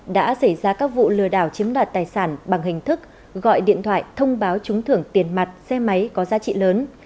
đã xảy ra các vụ lừa đảo chiếm đoạt tài sản bằng hình thức gọi điện thoại thông báo trúng thưởng tiền mặt xe máy có giá trị lớn